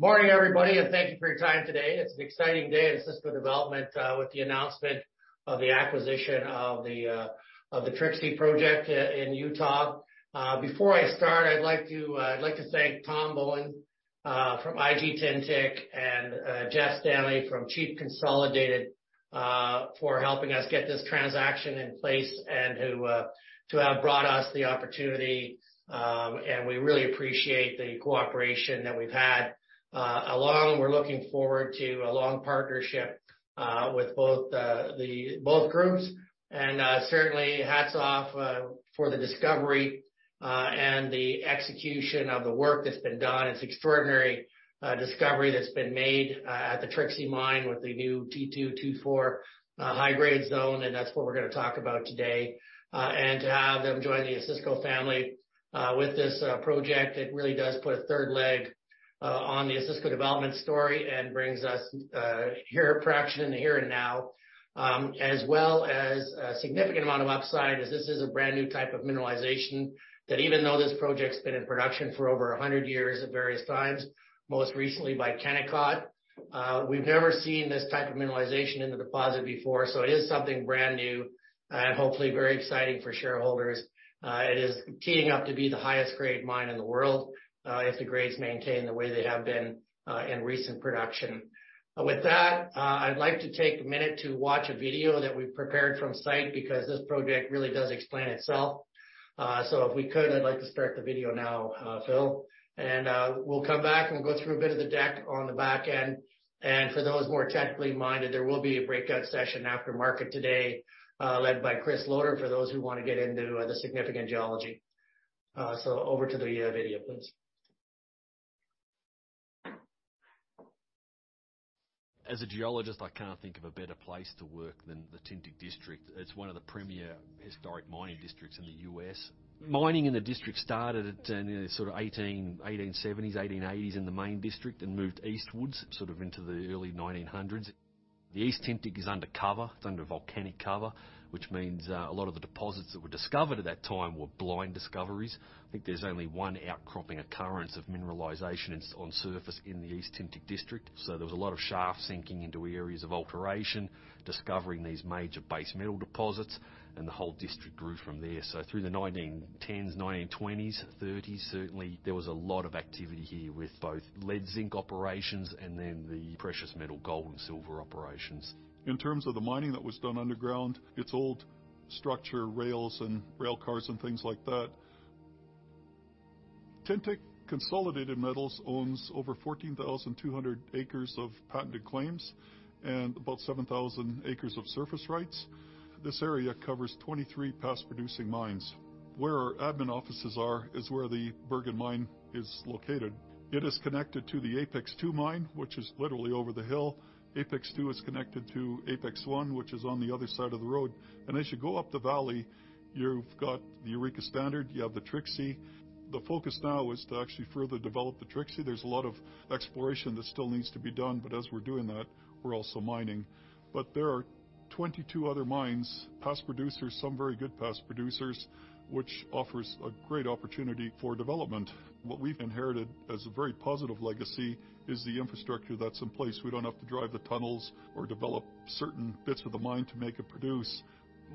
Morning everybody, and thank you for your time today. It's an exciting day at Osisko Development with the announcement of the acquisition of the Trixie project in Utah. Before I start, I'd like to thank Tom Bowens from IG Tintic and Geoff Stanley from Chief Consolidated for helping us get this transaction in place and who have brought us the opportunity. We really appreciate the cooperation that we've had. We're looking forward to a long partnership with both groups. Certainly hats off for the discovery and the execution of the work that's been done. It's extraordinary discovery that's been made at the Trixie Mine with the new T2-T4 high-grade zone, and that's what we're gonna talk about today. To have them join the Osisko family with this project, it really does put a third leg on the Osisko development story and brings us near-term production in the here and now, as well as a significant amount of upside, as this is a brand new type of mineralization that even though this project's been in production for over 100 years at various times, most recently by Kennecott, we've never seen this type of mineralization in the deposit before. It is something brand new and hopefully very exciting for shareholders. It is teeing up to be the highest grade mine in the world, if the grades maintain the way they have been in recent production. With that, I'd like to take a minute to watch a video that we've prepared from site because this project really does explain itself. So if we could, I'd like to start the video now, Phil. We'll come back and go through a bit of the deck on the back end. For those more technically minded, there will be a breakout session after market today, led by Chris Lodder for those who wanna get into the significant geology. Over to the video please. As a geologist, I can't think of a better place to work than the Tintic district. It's one of the premier historic mining districts in the U.S. Mining in the district started in sort of 1870s, 1880s in the main district and moved eastwards sort of into the early 1900s. The East Tintic is under cover. It's under volcanic cover, which means a lot of the deposits that were discovered at that time were blind discoveries. I think there's only one outcropping occurrence of mineralization on surface in the East Tintic district. There was a lot of shaft sinking into areas of alteration, discovering these major base metal deposits, and the whole district grew from there. Through the 1910s, 1920s, 1930s, certainly there was a lot of activity here with both lead zinc operations and then the precious metal gold and silver operations. In terms of the mining that was done underground, its old structure, rails and rail cars and things like that. Tintic Consolidated Metals owns over 14,200 acres of patented claims and about 7,000 acres of surface rights. This area covers 23 past producing mines. Where our admin offices are is where the Burgin Mine is located. It is connected to the Apex Two Mine, which is literally over the hill. Apex Two is connected to Apex One, which is on the other side of the road. As you go up the valley, you've got the Eureka Standard, you have the Trixie. The focus now is to actually further develop the Trixie. There's a lot of exploration that still needs to be done, but as we're doing that, we're also mining. There are 22 other mines, past producers, some very good past producers, which offers a great opportunity for development. What we've inherited as a very positive legacy is the infrastructure that's in place. We don't have to drive the tunnels or develop certain bits of the mine to make it produce.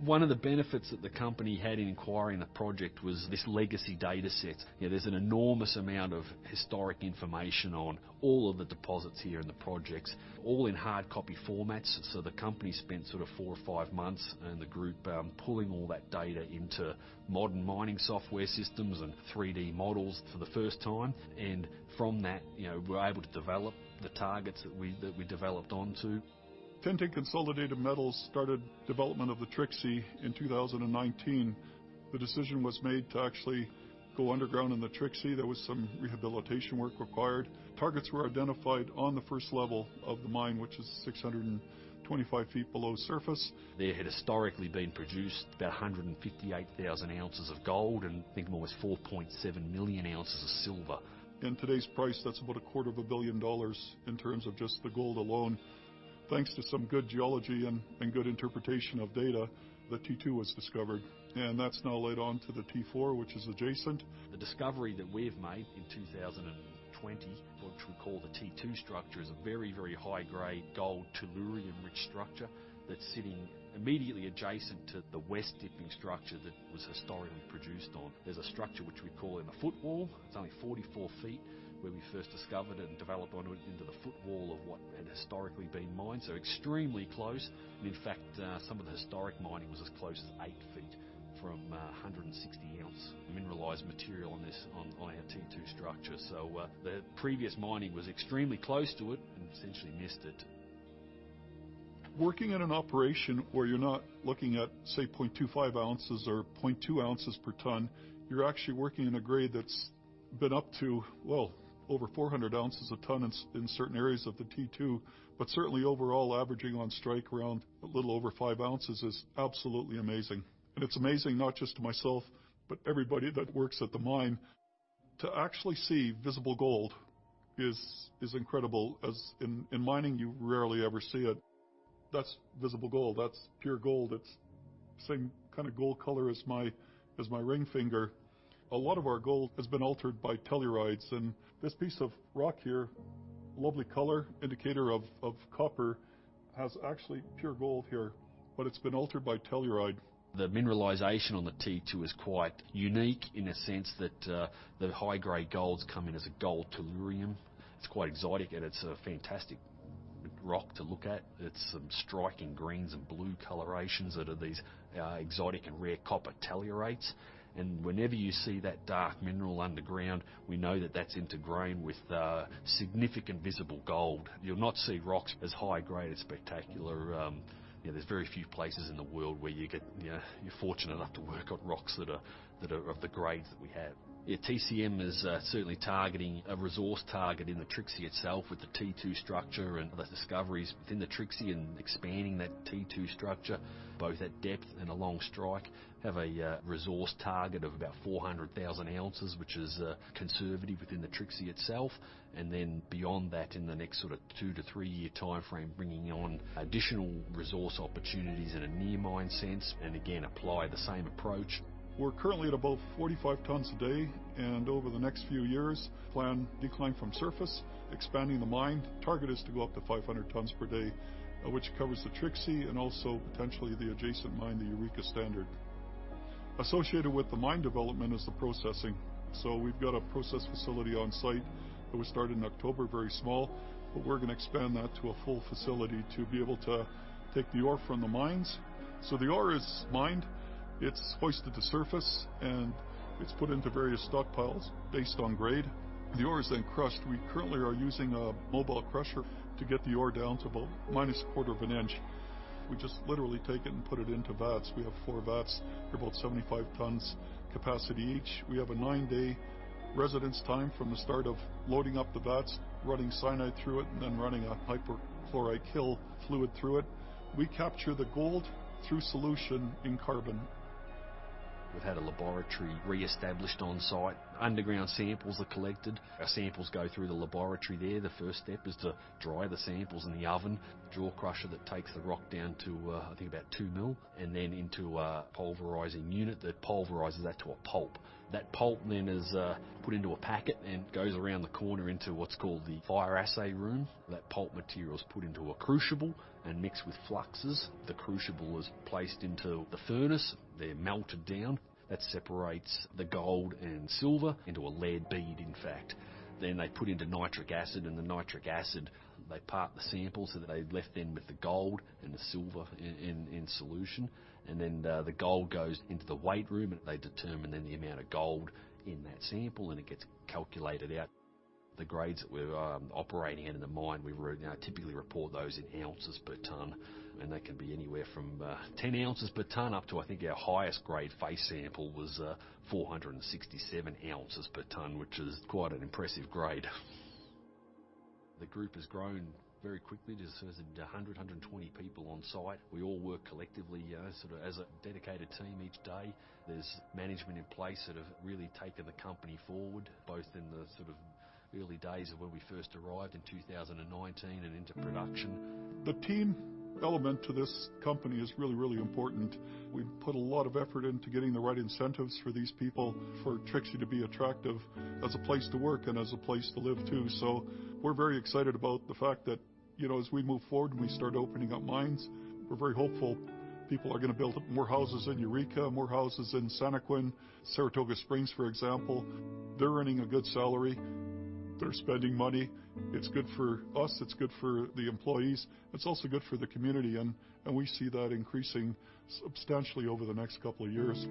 One of the benefits that the company had in acquiring the project was this legacy data set. There's an enormous amount of historic information on all of the deposits here in the projects, all in hard copy formats. The company spent sort of four or five months and the group pulling all that data into modern mining software systems and 3-D models for the first time. From that, you know, we're able to develop the targets that we developed onto. Tintic Consolidated Metals started development of the Trixie in 2019. The decision was made to actually go underground in the Trixie. There was some rehabilitation work required. Targets were identified on the first level of the mine, which is 625 ft below surface. There had historically been produced about 158,000 ounces of gold and I think almost 4.7 million ounces of silver. In today's price, that's about a quarter of a billion dollars in terms of just the gold alone. Thanks to some good geology and good interpretation of data, the T2-T4 was discovered, and that's now led on to the T4, which is adjacent. The discovery that we've made in 2020, which we call the T2-T4 structure, is a very, very high-grade gold tellurium rich structure that's sitting immediately adjacent to the west dipping structure that was historically produced on. There's a structure which we call in a footwall. It's only 44 ft where we first discovered it and developed on it into the footwall of what had historically been mined, so extremely close. In fact, some of the historic mining was as close as 8 ft from a 160-ounce mineralized material on this, on our T2-T4 structure. The previous mining was extremely close to it and essentially missed it. Working in an operation where you're not looking at, say, 0.25 ounces or 0.2 ounces per ton, you're actually working in a grade that's been up to, well, over 400 ounces a ton in certain areas of the T2-T4. Certainly overall, averaging on strike around a little over five ounces is absolutely amazing. It's amazing not just to myself, but everybody that works at the mine. To actually see visible gold is incredible as in mining you rarely ever see it. That's visible gold, that's pure gold. That's the same kind of gold color as my ring finger. A lot of our gold has been altered by tellurides, and this piece of rock here, lovely color, indicator of copper, has actually pure gold here, but it's been altered by telluride. The mineralization on the T2-T4 is quite unique in a sense that, the high-grade golds come in as a gold telluride. It's quite exotic, and it's a fantastic rock to look at. It's some striking greens and blue colorations that are these, exotic and rare copper tellurides. Whenever you see that dark mineral underground, we know that that's integrated with, significant visible gold. You'll not see rocks as high-grade and spectacular, you know, there's very few places in the world where you get, you know, you're fortunate enough to work on rocks that are that are of the grades that we have. Yeah, TCM is certainly targeting a resource target in the Trixie itself with the T2-T4 structure and the discoveries within the Trixie and expanding that T2-T4 structure, both at depth and along strike. have a resource target of about 400,000 ounces, which is conservative within the Trixie itself. Beyond that, in the next sort of two to three year timeframe, bringing on additional resource opportunities in a near mine sense, and again, apply the same approach. We're currently at about 45 tons per day, and over the next few years, plan decline from surface, expanding the mine. Target is to go up to 500 tons per day, which covers the Trixie and also potentially the adjacent mine, the Eureka Standard. Associated with the mine development is the processing. We've got a process facility on site that we started in October, very small, but we're gonna expand that to a full facility to be able to take the ore from the mines. The ore is mined, it's hoisted to surface, and it's put into various stockpiles based on grade. The ore is then crushed. We currently are using a mobile crusher to get the ore down to about minus a quarter of an inch. We just literally take it and put it into vats. We have 4 vats. They're about 75 tons capacity each. We have a nine day residence time from the start of loading up the vats, running cyanide through it, and then running a hydrochloric acid fluid through it. We capture the gold through solution in carbon. We've had a laboratory re-established on site. Underground samples are collected. Our samples go through the laboratory there. The first step is to dry the samples in the oven. Jaw crusher that takes the rock down to, I think about 2 mil, and then into a pulverizing unit that pulverizes that to a pulp. That pulp then is put into a packet and goes around the corner into what's called the fire assay room. That pulp material is put into a crucible and mixed with fluxes. The crucible is placed into the furnace. They're melted down. That separates the gold and silver into a lead bead in fact. Then they're put into nitric acid, and the nitric acid, they part the sample, so that they're left then with the gold and the silver in solution. The gold goes into the weight room, and they determine then the amount of gold in that sample, and it gets calculated out. The grades that we're operating in the mine, we typically report those in ounces per ton, and they can be anywhere from 10 ounces per ton up to, I think, our highest grade face sample was 467 ounces per ton, which is quite an impressive grade. The group has grown very quickly. There's 120 people on site. We all work collectively, sort of as a dedicated team each day. There's management in place that have really taken the company forward, both in the sort of early days of when we first arrived in 2019 and into production. The team element to this company is really, really important. We've put a lot of effort into getting the right incentives for these people, for Trixie to be attractive as a place to work and as a place to live too. We're very excited about the fact that, you know, as we move forward and we start opening up mines, we're very hopeful people are gonna build up more houses in Eureka, more houses in Santaquin, Saratoga Springs, for example. They're earning a good salary. They're spending money. It's good for us. It's good for the employees. It's also good for the community and we see that increasing substantially over the next couple of years.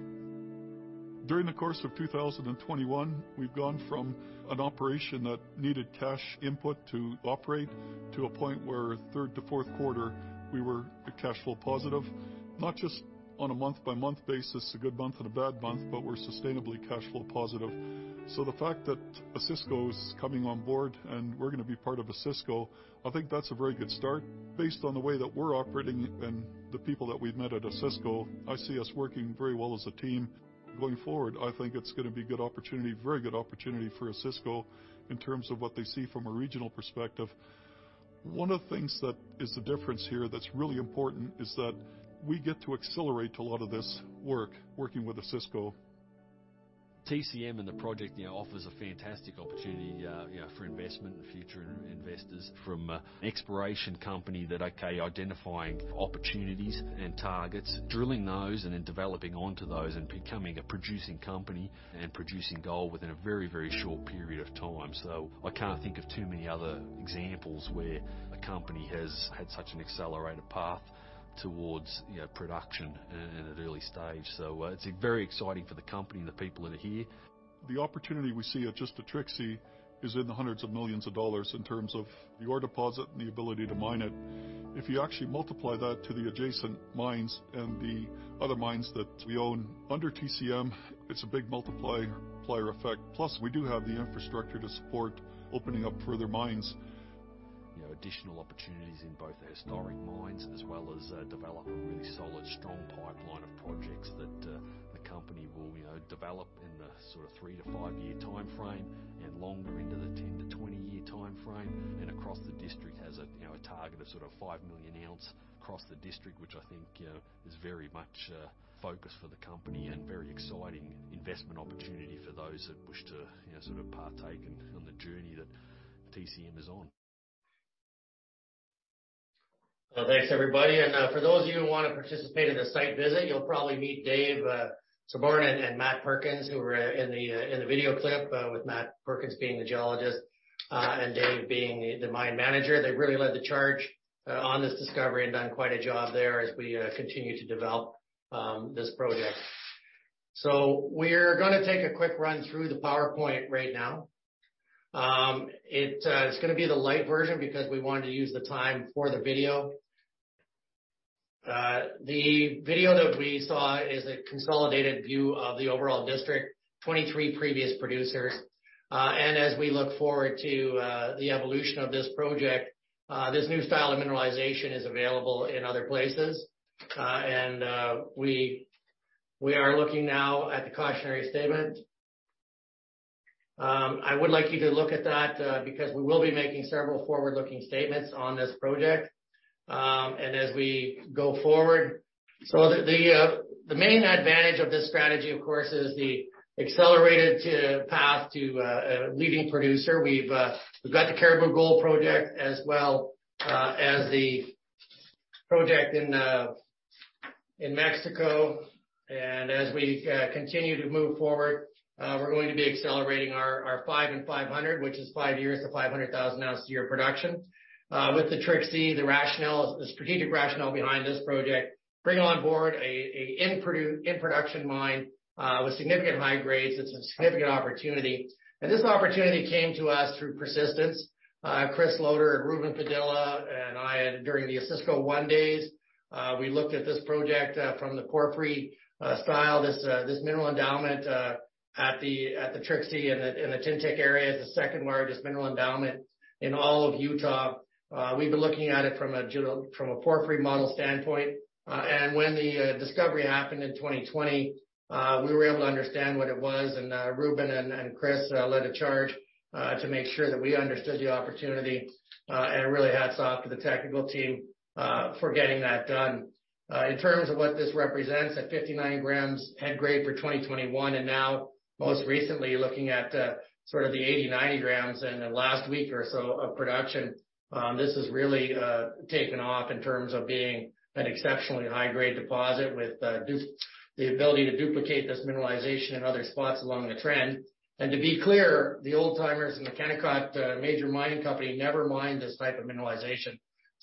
During the course of 2021, we've gone from an operation that needed cash input to operate to a point where third to fourth quarter we were cash flow positive, not just on a month-by-month basis, a good month and a bad month, but we're sustainably cash flow positive. The fact that Osisko's coming on board and we're gonna be part of Osisko, I think that's a very good start. Based on the way that we're operating and the people that we've met at Osisko, I see us working very well as a team. Going forward, I think it's gonna be a good opportunity, very good opportunity for Osisko in terms of what they see from a regional perspective. One of the things that is the difference here that's really important is that we get to accelerate a lot of this work working with Osisko. TCM and the project, you know, offers a fantastic opportunity, you know, for investment and future investors from an exploration company that identifying opportunities and targets, drilling those, and then developing onto those and becoming a producing company and producing gold within a very, very short period of time. I can't think of too many other examples where a company has had such an accelerated path towards, you know, production at an early stage. It's very exciting for the company and the people that are here. The opportunity we see at just the Trixie is in the $ hundreds of millions in terms of the ore deposit and the ability to mine it. If you actually multiply that to the adjacent mines and the other mines that we own, under TCM, it's a big multiplier effect. Plus, we do have the infrastructure to support opening up further mines. You know, additional opportunities in both the historic mines as well as develop a really solid, strong pipeline of projects that the company will, you know, develop in the sort of three to five year timeframe and longer into the 10-20-year timeframe and across the district has a, you know, a target of sort of 5 million ounces across the district, which I think, you know, is very much a focus for the company and very exciting investment opportunity for those that wish to, you know, sort of partake in on the journey that TCM is on. Well, thanks everybody. For those of you who wanna participate in the site visit, you'll probably meet Dave Sabourin and Matt Perkins, who were in the video clip, with Matt Perkins being the geologist and Dave being the mine manager. They've really led the charge on this discovery and done quite a job there as we continue to develop this project. We're gonna take a quick run through the PowerPoint right now. It's gonna be the light version because we wanted to use the time for the video. The video that we saw is a consolidated view of the overall district, 23 previous producers. As we look forward to the evolution of this project, this new style of mineralization is available in other places. We are looking now at the cautionary statement. I would like you to look at that, because we will be making several forward-looking statements on this project, and as we go forward. The main advantage of this strategy, of course, is the accelerated path to a leading producer. We've got the Cariboo Gold Project as well, as the project in Mexico. As we continue to move forward, we're going to be accelerating our five and 500, which is five years to 500,000 ounces a year production. With the Trixie, the rationale, the strategic rationale behind this project is to bring on board a in-production mine with significant high grades. It's a significant opportunity. This opportunity came to us through persistence. Chris Lodder and Ruben Padilla and I, during the Osisko one days, we looked at this project from the porphyry style. This mineral endowment at the Trixie and the Tintic area is the second-largest mineral endowment in all of Utah. We've been looking at it from a porphyry model standpoint. When the discovery happened in 2020, we were able to understand what it was, and Ruben and Chris led a charge to make sure that we understood the opportunity. Really hats off to the technical team for getting that done. In terms of what this represents, at 59 grams head grade for 2021, and now most recently looking at sort of the 80, 90 grams in the last week or so of production, this has really taken off in terms of being an exceptionally high grade deposit with the ability to duplicate this mineralization in other spots along the trend. To be clear, the old-timers in the Kennecott major mining company never mined this type of mineralization.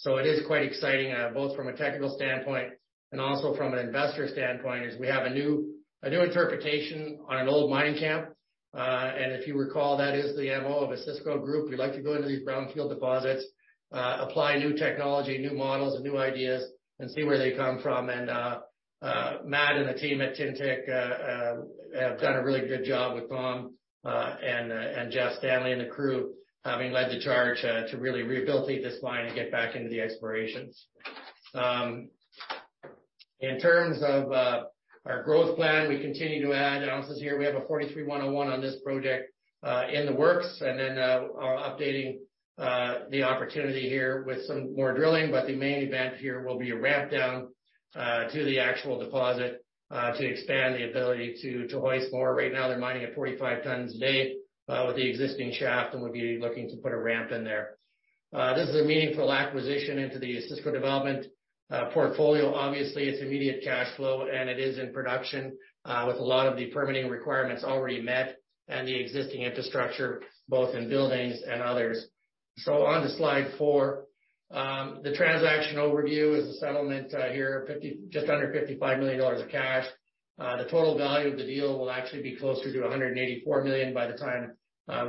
It is quite exciting both from a technical standpoint and also from an investor standpoint, as we have a new interpretation on an old mining camp. If you recall, that is the MO of Osisko Group. We like to go into these brownfield deposits, apply new technology, new models, and new ideas and see where they come from. Matt and the team at Tintic have done a really good job with Tom and Geoff Stanley and the crew having led the charge to really rehabilitate this mine and get back into the exploration. In terms of our growth plan, we continue to add ounces here. We have a NI 43-101 on this project in the works, and then are updating the opportunity here with some more drilling. The main event here will be a ramp down to the actual deposit to expand the ability to hoist more. Right now they're mining at 45 tons a day with the existing shaft, and we'll be looking to put a ramp in there. This is a meaningful acquisition into the Osisko Development portfolio. Obviously, it's immediate cash flow, and it is in production, with a lot of the permitting requirements already met and the existing infrastructure both in buildings and others. On to slide four. The transaction overview is the settlement here, just under $55 million of cash. The total value of the deal will actually be closer to $184 million by the time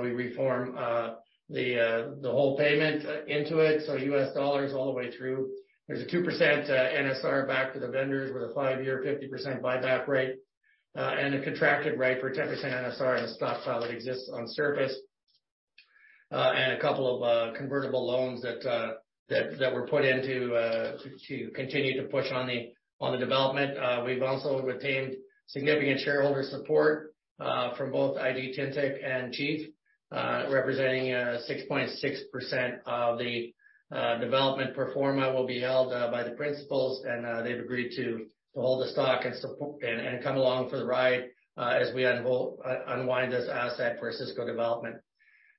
we reform the whole payment into it. U.S. dollars all the way through. There's a 2% NSR back to the vendors with a five-year 50% buyback rate, and a contracted rate for 10% NSR on the stockpile that exists on surface. And a couple of convertible loans that were put in to continue to push on the development. We've also retained significant shareholder support from both IG Tintic and Chief. Representing 6.6% of the development pro forma will be held by the principals and they've agreed to hold the stock and come along for the ride as we unwind this asset for Osisko Development.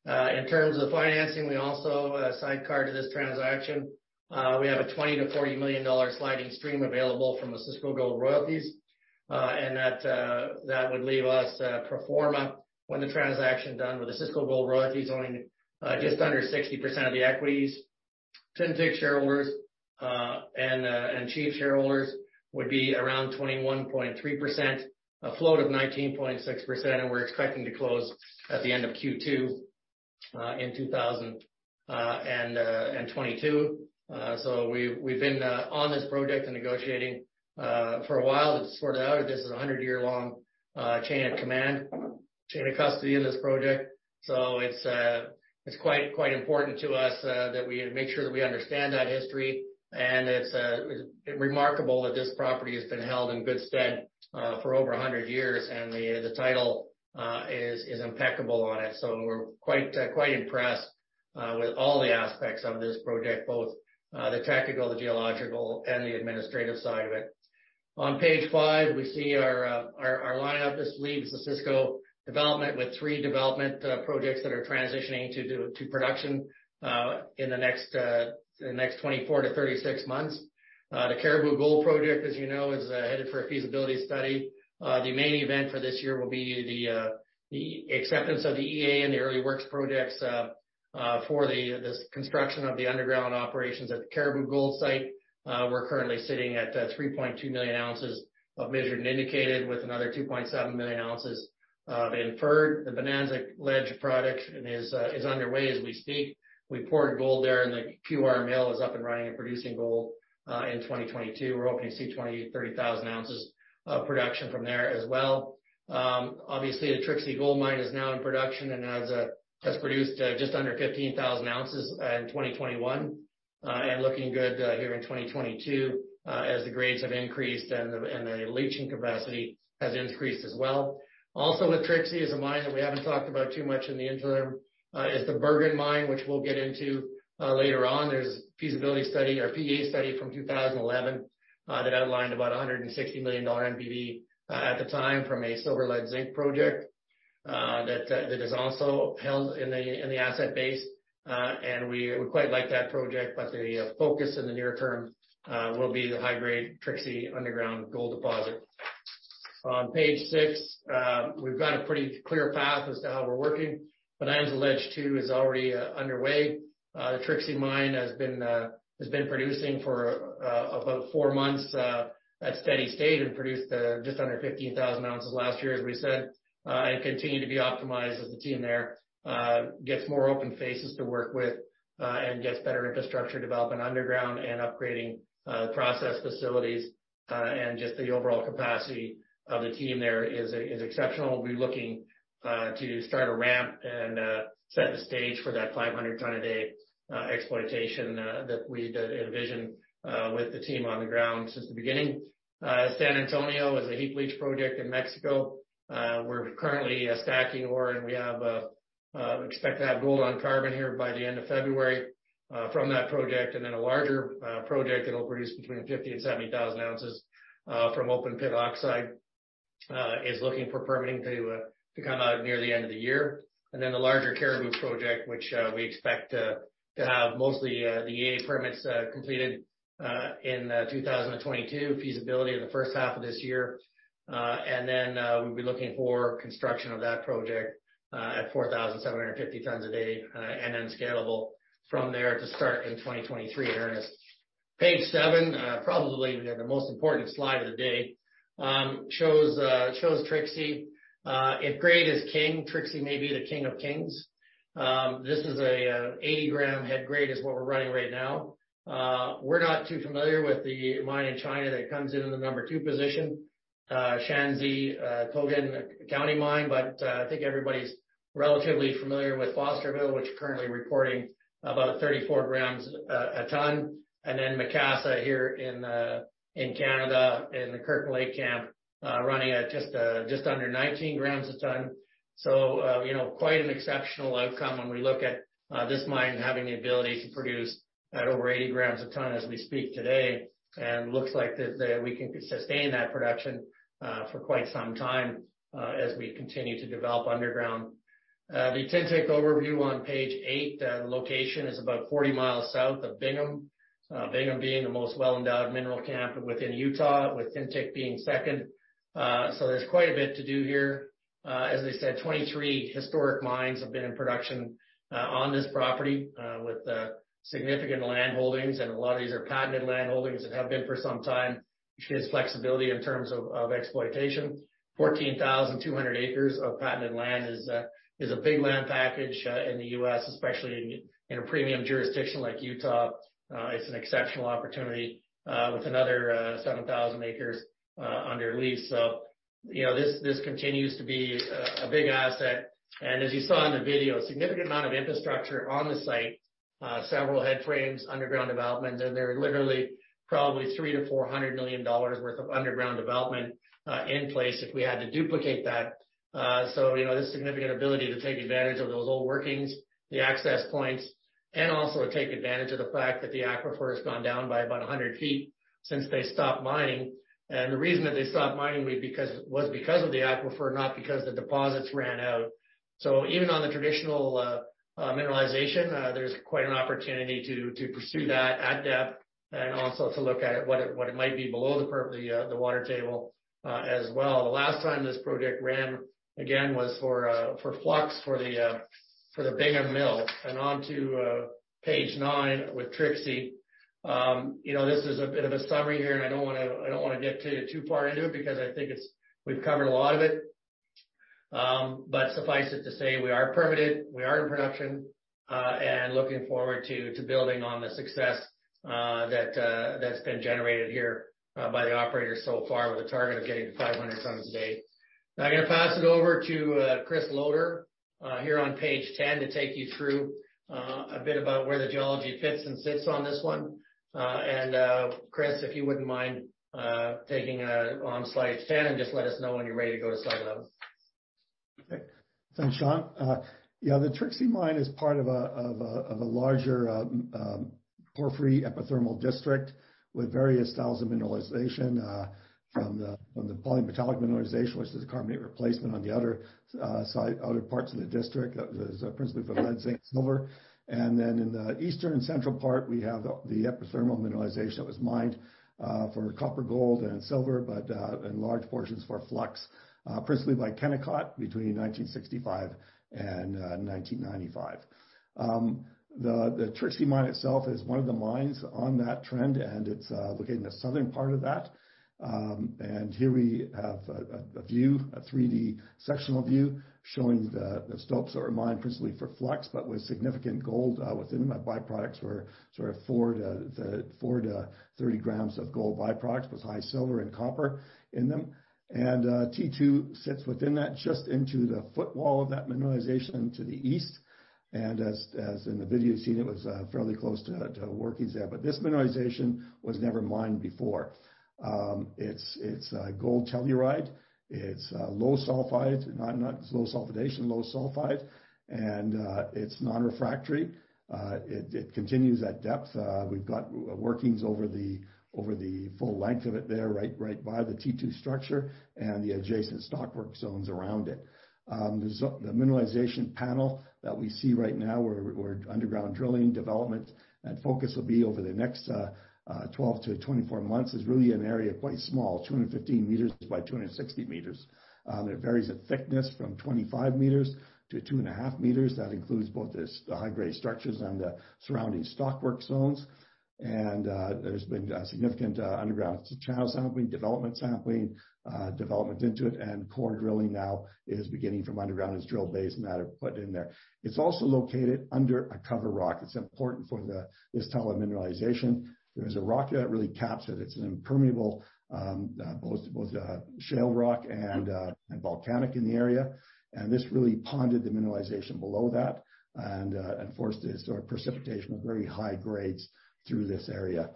In terms of financing, we also sidecar to this transaction, we have a $20 million-$40 million sliding stream available from Osisko Gold Royalties. That would leave us pro forma when the transaction done with Osisko Gold Royalties owning just under 60% of the equities. Tintic shareholders and Chief shareholders would be around 21.3%. A float of 19.6%, and we're expecting to close at the end of Q2 in 2022. We've been on this project and negotiating for a while to sort it out. This is a 100-year-long chain of custody in this project. It's quite important to us that we make sure that we understand that history. It's remarkable that this property has been held in good stead for over 100 years, and the title is impeccable on it. We're quite impressed with all the aspects of this project, both the technical, the geological, and the administrative side of it. On page five, we see our lineup. This leads Osisko Development with three development projects that are transitioning to production in the next 24-36 months. The Cariboo Gold Project, as you know, is headed for a feasibility study. The main event for this year will be the acceptance of the EA and the early works projects for this construction of the underground operations at the Cariboo Gold site. We're currently sitting at 3.2 million ounces of measured and indicated, with another 2.7 million ounces of inferred. The Bonanza Ledge project is underway as we speak. We poured gold there, and the QR mill is up and running and producing gold in 2022. We're hoping to see 20-30 thousand ounces of production from there as well. Obviously, the Trixie Gold Mine is now in production and has produced just under 15,000 ounces in 2021. Looking good here in 2022 as the grades have increased and the leaching capacity has increased as well. Also with Trixie is a mine that we haven't talked about too much in the interim is the Burgin Mine, which we'll get into later on. There's a feasibility study or PEA study from 2011 that outlined about a $160 million NPV at the time from a silver-lead-zinc project that is also held in the asset base. We quite like that project, but the focus in the near term will be the high-grade Trixie underground gold deposit. On page six, we've got a pretty clear path as to how we're working. Bonanza Ledge II is already underway. The Trixie Mine has been producing for about four months at steady state and produced just under 15,000 ounces last year, as we said. Continue to be optimized as the team there gets more open faces to work with and gets better infrastructure development underground and upgrading process facilities, and just the overall capacity of the team there is exceptional. We'll be looking to start a ramp and set the stage for that 500 ton a day exploitation that we'd envision with the team on the ground since the beginning. San Antonio is a heap leach project in Mexico. We're currently stacking ore, and we expect to have gold on carbon here by the end of February from that project. A larger project that'll produce between 50 and 70,000 ounces from open pit oxide is looking for permitting to come out near the end of the year. The larger Cariboo project, which we expect to have mostly the EA permits completed in 2022. Feasibility in the first half of this year. We'll be looking for construction of that project at 4,750 tons a day, and then scalable from there to start in 2023 in earnest. Page 7 probably the most important slide of the day shows Trixie. If grade is king, Trixie may be the king of kings. This is 80-gram head grade what we're running right now. We're not too familiar with the mine in China that comes in the number two position, Shaanxi, Tongguan County Mine. But I think everybody's relatively familiar with Fosterville, which currently reporting about 34 grams a ton. Then Macassa here in Canada, in the Kirkland Lake camp, running at just under 19 grams a ton. You know, quite an exceptional outcome when we look at this mine having the ability to produce at over 80 grams a ton as we speak today. Looks like that we can sustain that production for quite some time as we continue to develop underground. The Tintic overview on page eight, the location is about 40 miles south of Bingham. Bingham being the most well-endowed mineral camp within Utah, with Tintic being second. There's quite a bit to do here. As I said, 23 historic mines have been in production on this property with significant landholdings, and a lot of these are patented landholdings that have been for some time, which gives flexibility in terms of exploitation. 14,200 acres of patented land is a big land package in the U.S., especially in a premium jurisdiction like Utah. It's an exceptional opportunity with another 7,000 acres under lease. You know, this continues to be a big asset. As you saw in the video, significant amount of infrastructure on the site, several head frames, underground developments, and there are literally probably $300 million-$400 million worth of underground development in place if we had to duplicate that. You know, there's significant ability to take advantage of those old workings, the access points, and also take advantage of the fact that the aquifer's gone down by about 100 ft since they stopped mining. The reason that they stopped mining was because of the aquifer, not because the deposits ran out. Even on the traditional mineralization, there's quite an opportunity to pursue that at depth and also to look at what it might be below the water table as well. The last time this project ran again was for flux for the Bingham Mill. Onto page nine with Trixie. You know, this is a bit of a summary here, and I don't wanna get too far into it because I think we've covered a lot of it. Suffice it to say, we are permitted, we are in production, and looking forward to building on the success that's been generated here by the operators so far with a target of getting to 500 tons a day. Now I'm gonna pass it over to Chris Lodder here on page ten to take you through a bit about where the geology fits and sits on this one. Chris, if you wouldn't mind taking on slide 10 and just let us know when you're ready to go to slide 11. Okay. Thanks, Sean. The Trixie mine is part of a larger porphyry epithermal district with various styles of mineralization, from the polymetallic mineralization, which is a carbonate replacement on the other side, other parts of the district. That was principally for lead, zinc, and silver. Then in the eastern and central part, we have the epithermal mineralization that was mined for copper, gold, and silver, but in large portions for flux, principally by Kennecott between 1965 and 1995. The Trixie mine itself is one of the mines on that trend, and it's located in the southern part of that. Here we have a 3-D sectional view, showing the stopes that were mined principally for flux, but with significant gold within them. By-products were sort of 4-30 grams of gold by-products with high silver and copper in them. T2 sits within that, just into the footwall of that mineralization to the east. As in the video scene, it was fairly close to workings there. This mineralization was never mined before. It's gold telluride. It's low sulfidation, low sulfide, and it's non-refractory. It continues at depth. We've got workings over the full length of it there, right by the T2 structure and the adjacent stockwork zones around it. The mineralization panel that we see right now, where we're underground drilling development and focus will be over the next 12-24 months, is really an area quite small, 215 meters by 260 meters. It varies in thickness from 25 meters-2.5 meters. That includes both the high-grade structures and the surrounding stockwork zones. There's been significant underground channel sampling, development sampling, development into it, and core drilling now is beginning from underground as drill bays and that are put in there. It's also located under a cover rock. It's important for this type of mineralization. There is a rock that really caps it. It's an impermeable both shale rock and volcanic in the area. This really ponded the mineralization below that and forced the historic precipitation of very high grades through this area.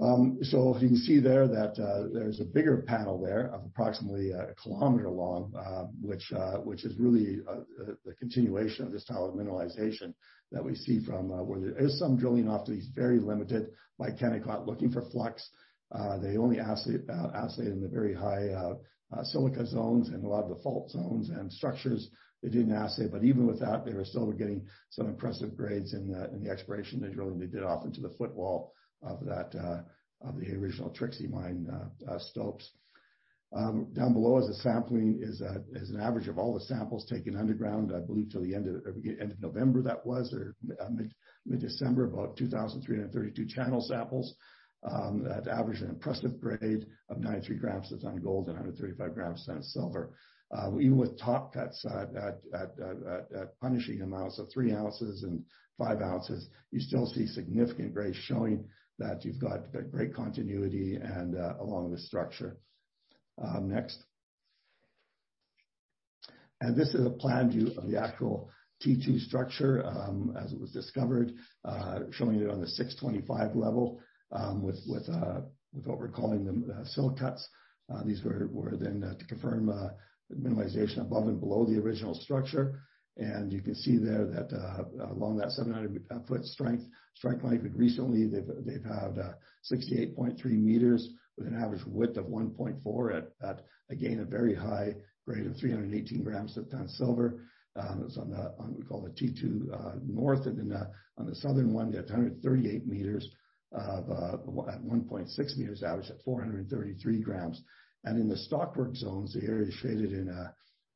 You can see there that there's a bigger panel there of approximately a kilometer long, which is really the continuation of this type of mineralization that we see from where there is some drilling off to these very limited by Kennecott looking for flux. They only assayed in the very high silica zones and a lot of the fault zones and structures they didn't assay. Even with that, they were still getting some impressive grades in the exploration drilling they did off into the footwall of the original Trixie Mine stopes. Down below is a sampling, an average of all the samples taken underground, I believe to the end of November that was, mid-December, about 2,332 channel samples, that averaged an impressive grade of 93 grams per ton gold and 135 grams per ton silver. Even with top cuts at punishing amounts of 3 ounces and 5 ounces, you still see significant grades showing that you've got great continuity and along the structure. Next. This is a plan view of the actual T2 structure, as it was discovered, showing it on the 625 level, with what we're calling them sill cuts. These were then to confirm the mineralization above and below the original structure. You can see there that along that 700-foot strike length, recently they've had 68.3 meters with an average width of 1.4 at again a very high grade of 318 grams per ton silver. It was on what we call the T2 North. On the southern one, they had 138 meters at 1.6 meters average at 433 grams per ton. In the stockwork zones, the area shaded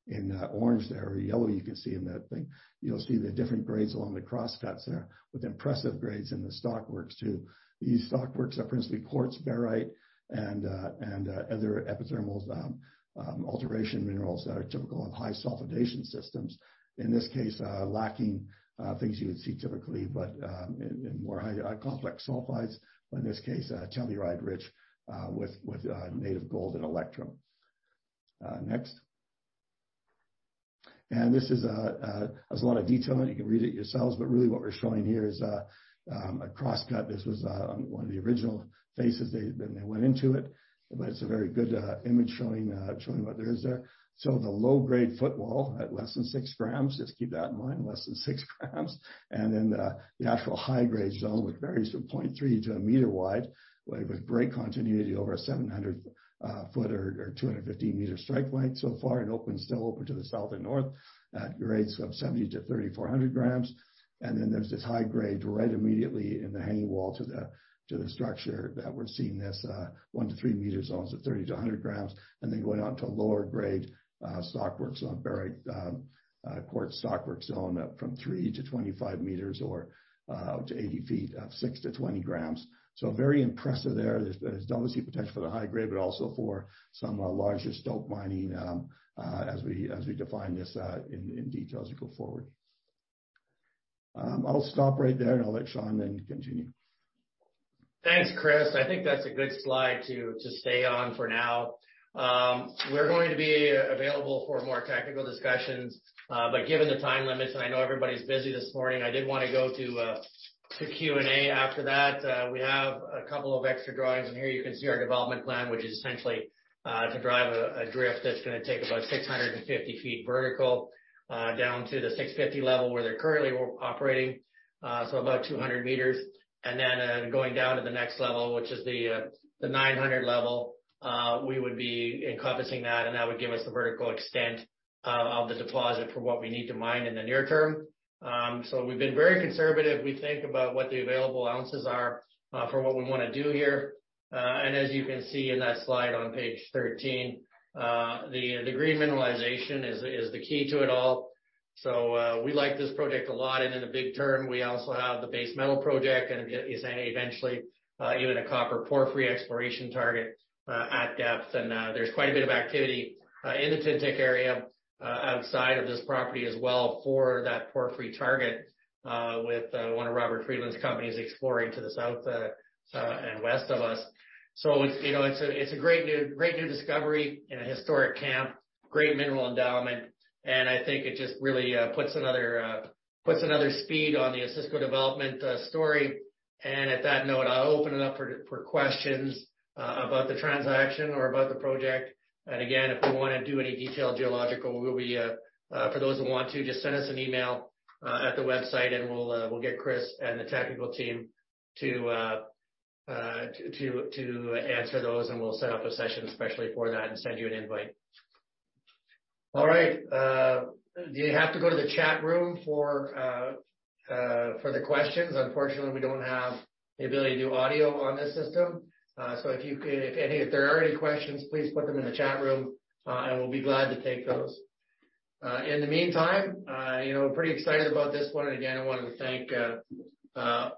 in orange there, or yellow you can see in that thing. You'll see the different grades along the cross cuts there with impressive grades in the stockworks too. These stockworks are principally quartz, pyrite, and other epithermal alteration minerals that are typical of high sulfidation systems. In this case, lacking things you would see typically, but in more high complex sulfides. In this case, telluride rich with native gold and electrum. Next. This is. There's a lot of detail in it. You can read it yourselves, but really what we're showing here is a cross cut. This was on one of the original faces they went into it. But it's a very good image showing what there is there. Some of the low grade footwall at less than six grams. Just keep that in mind, less than six grams. The actual high-grade zone, which varies from 0.3 meter-1 meter wide, with great continuity over a 700-foot or 250-meter strike length so far. It is still open to the south and north at grades of 70 grams-3,400 grams. There's this high-grade right immediately in the hanging wall to the structure that we're seeing this 1 meter-3 meter zones of 30 grams-100 grams. Then going on to lower-grade stockwork on pyrite, quartz stockwork zone, from 3 meters-25 meters or up to 80 ft, 6 grams-20 grams. Very impressive there. There's obviously potential for the high grade, but also for some larger stope mining, as we define this in detail as we go forward. I'll stop right there, and I'll let Sean then continue. Thanks, Chris. I think that's a good slide to stay on for now. We're going to be available for more technical discussions, but given the time limits, and I know everybody's busy this morning, I did want to go to Q&A after that. We have a couple of extra drawings in here. You can see our development plan, which is essentially to drive a drift that's gonna take about 650 feet vertical down to the 650 level where they're currently operating, so about 200 meters. Then, going down to the next level, which is the 900 level, we would be encompassing that, and that would give us the vertical extent of the deposit for what we need to mine in the near term. We've been very conservative. We think about what the available ounces are for what we wanna do here. As you can see in that slide on page 13, the grade mineralization is the key to it all. We like this project a lot. In the long term, we also have the base metal project, and it is eventually even a copper porphyry exploration target at depth. There's quite a bit of activity in the Tintic area outside of this property as well for that porphyry target with one of Robert Friedland's companies exploring to the south and west of us. It's, you know, a great new discovery in a historic camp, great mineral endowment, and I think it just really puts another speed on the Osisko Development story. At that note, I'll open it up for questions about the transaction or about the project. Again, if we wanna do any detailed geological, for those who want to, just send us an email at the website, and we'll get Chris and the technical team to answer those, and we'll set up a session especially for that and send you an invite. All right, you have to go to the chat room for the questions. Unfortunately, we don't have the ability to do audio on this system. If there are any questions, please put them in the chat room, and we'll be glad to take those. In the meantime, you know, pretty excited about this one. Again, I wanted to thank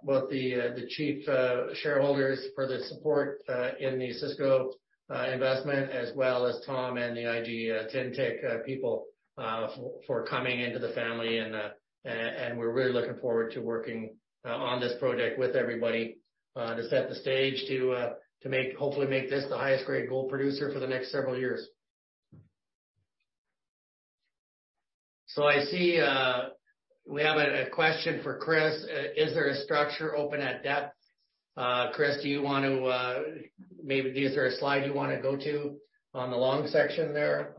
both the Chief shareholders for the support in the Osisko investment, as well as Tom and the IG Tintic people for coming into the family. We're really looking forward to working on this project with everybody to set the stage to hopefully make this the highest grade gold producer for the next several years. I see we have a question for Chris. Is there a structure open at depth? Chris, do you want to, maybe is there a slide you wanna go to on the long section there?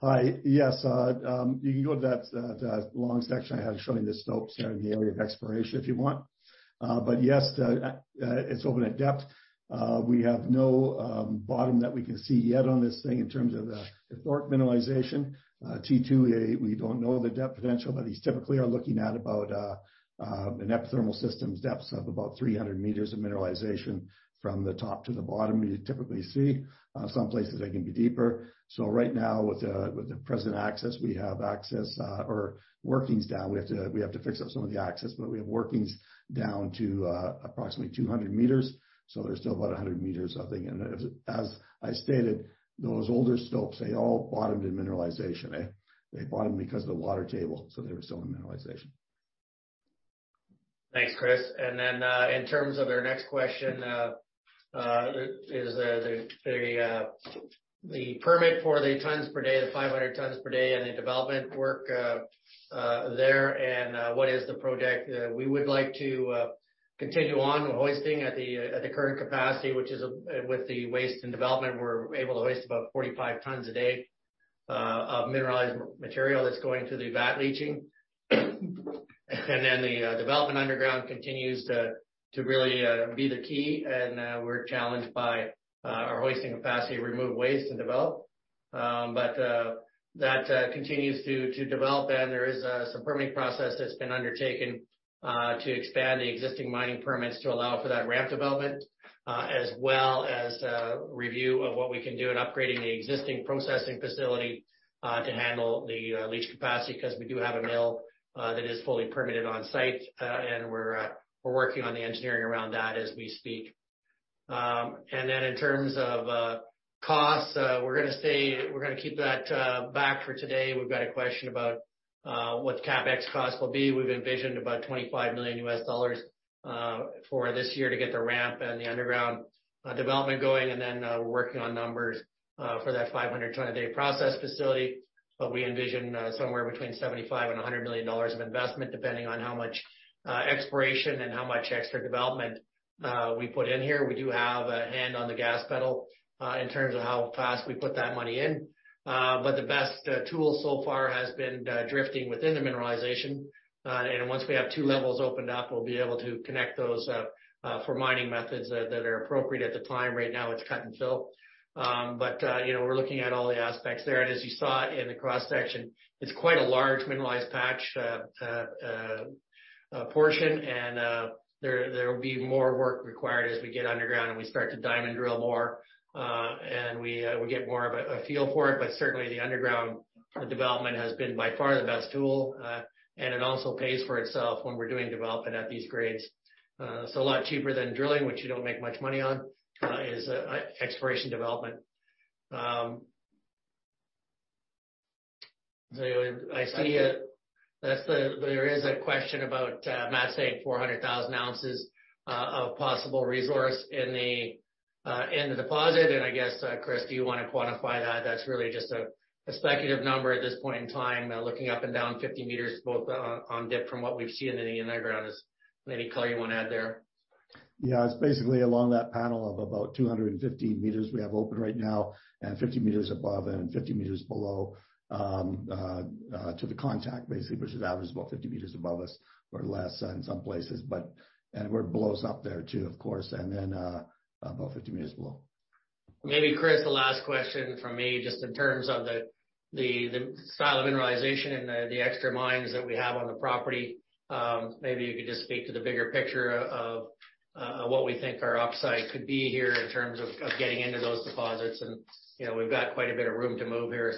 Hi. Yes, you can go to that long section I have showing the stopes there in the area of exploration if you want. Yes, it's open at depth. We have no bottom that we can see yet on this thing in terms of the historic mineralization. T2A, we don't know the depth potential, but these typically are looking at about an epithermal system's depths of about 300 meters of mineralization from the top to the bottom, you typically see. Some places they can be deeper. Right now with the present access, we have access or workings down. We have to fix up some of the access, but we have workings down to approximately 200 meters, so there's still about 100 meters, I think. As I stated, those older stopes, they all bottomed in mineralization. They bottomed because of the water table, so they were still in mineralization. Thanks, Chris. In terms of their next question, is the permit for the tons per day, the 500 tons per day and the development work there, and what is the project? We would like to continue on hoisting at the current capacity, which is, with the waste and development, we're able to hoist about 45 tons a day of mineralized material that's going to the vat leaching. The development underground continues to really be the key, and we're challenged by our hoisting capacity to remove waste and develop. That continues to develop, and there is some permitting process that's been undertaken to expand the existing mining permits to allow for that ramp development, as well as review of what we can do in upgrading the existing processing facility to handle the leach capacity 'cause we do have a mill that is fully permitted on site. We're working on the engineering around that as we speak. In terms of costs, we're gonna keep that back for today. We've got a question about what the CapEx cost will be. We've envisioned about $25 million for this year to get the ramp and the underground development going. We're working on numbers for that 500 ton a day process facility. We envision somewhere between $75 million and $100 million of investment, depending on how much exploration and how much extra development we put in here. We do have a hand on the gas pedal in terms of how fast we put that money in. The best tool so far has been drifting within the mineralization. Once we have two levels opened up, we'll be able to connect those for mining methods that are appropriate at the time. Right now, it's cut and fill. You know, we're looking at all the aspects there. As you saw in the cross-section, it's quite a large mineralized patch, portion, and there will be more work required as we get underground, and we start to diamond drill more, and we get more of a feel for it. Certainly, the underground development has been by far the best tool, and it also pays for itself when we're doing development at these grades. A lot cheaper than drilling, which you don't make much money on, is exploration development. I see it. There is a question about Matt saying 400,000 ounces of possible resource in the deposit. I guess, Chris, do you wanna quantify that? That's really just a speculative number at this point in time, looking up and down 50 meters both, on dip from what we've seen in the underground. Is there any color you wanna add there? Yeah. It's basically along that panel of about 250 meters we have open right now and 50 meters above and 50 meters below to the contact basically, which averages about 50 meters above us or less in some places, but we're below us up there too, of course, and then about 50 meters below. Maybe, Chris, the last question from me, just in terms of the style of mineralization and the extra mines that we have on the property. Maybe you could just speak to the bigger picture of what we think our upside could be here in terms of getting into those deposits. You know, we've got quite a bit of room to move here.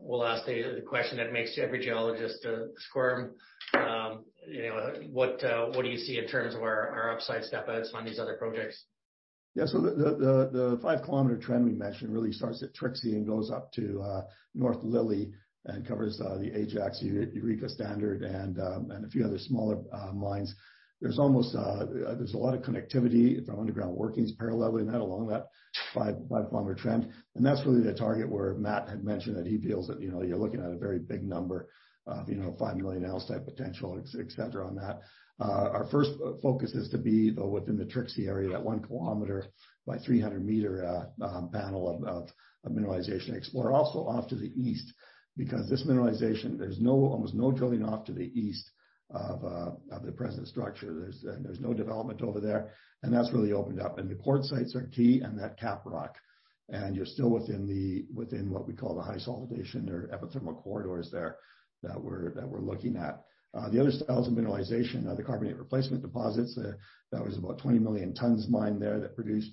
We'll ask the question that makes every geologist squirm. You know, what do you see in terms of where our upside step outs on these other projects? Yeah. The 5 km trend we mentioned really starts at Trixie and goes up to North Lily and covers the Ajax, Eureka Standard and a few other smaller mines. There's a lot of connectivity from underground workings parallel in that along that 5 km trend. That's really the target where Matt had mentioned that he feels that you know you're looking at a very big number of you know 5 million ounce type potential et cetera on that. Our first focus is to be though within the Trixie area that 1 kilometer by 300-meter panel of mineralization explore. Also off to the east because this mineralization there's almost no drilling off to the east of the present structure. There's no development over there, and that's really opened up. The quartzites are key and that caprock. You're still within what we call the high sulfidation or epithermal corridors there that we're looking at. The other styles of mineralization are the carbonate replacement deposits. That was about 20 million tons mined there that produced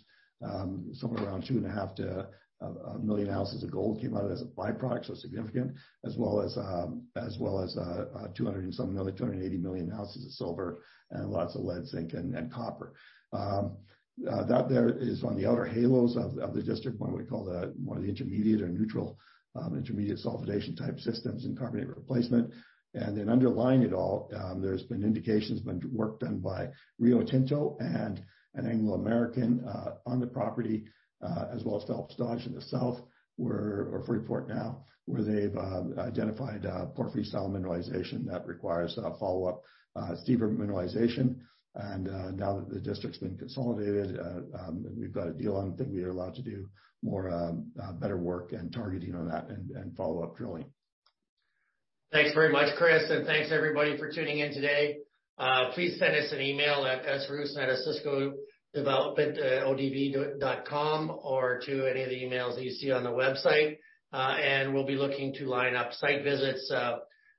somewhere around 2.5 million-1 million ounces of gold that came out of it as a byproduct, so significant, as well as 280 million ounces of silver and lots of lead, zinc, and copper. There is on the outer halos of the district what we call one of the intermediate or neutral intermediate sulfidation type systems and carbonate replacement. Underlying it all, there have been indications from work done by Rio Tinto and Anglo American on the property, as well as Phelps Dodge in the south, or Freeport now, where they've identified a porphyry-style mineralization that requires follow-up, deeper mineralization. Now that the district's been consolidated, we've got a deal on. I think we are allowed to do more better work and targeting on that and follow-up drilling. Thanks very much, Chris, and thanks everybody for tuning in today. Please send us an email at sroosen@osiskoodv.com or to any of the emails that you see on the website. We'll be looking to line up site visits,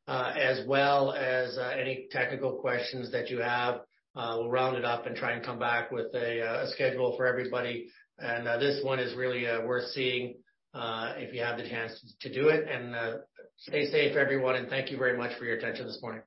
as well as any technical questions that you have. We'll round it up and try and come back with a schedule for everybody. This one is really worth seeing if you have the chance to do it. Stay safe, everyone, and thank you very much for your attention this morning.